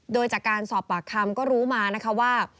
โดยจากการสอบปากคำก็รู้มานะคะว่า